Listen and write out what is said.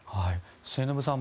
末延さん